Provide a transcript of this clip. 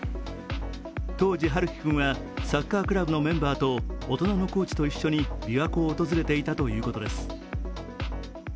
当時、遥希君はサッカークラブのメンバーと大人のコーチと一緒にびわ湖を訪れていたということです。